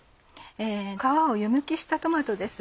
皮を湯むきしたトマトです。